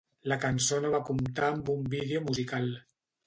La cançó no va comptar amb un vídeo musical.